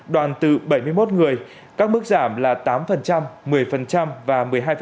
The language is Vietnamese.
đoàn từ bảy mươi một người các mức giảm là tám một mươi và một mươi hai